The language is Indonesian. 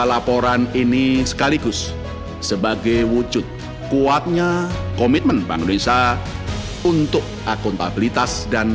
laporan ini sekaligus sebagai wujud kuatnya komitmen bank indonesia untuk akuntabilitas dan